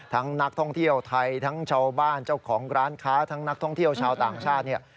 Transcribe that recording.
นักท่องเที่ยวไทยทั้งชาวบ้านเจ้าของร้านค้าทั้งนักท่องเที่ยวชาวต่างชาติเนี่ย